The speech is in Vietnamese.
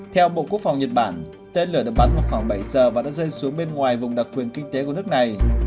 theo bộ quốc phòng nhật bản tên lửa được bắn vào khoảng bảy giờ và đã rơi xuống bên ngoài vùng đặc quyền kinh tế của nước này